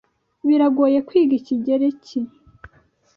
Biragoye kwiga Ikigereki?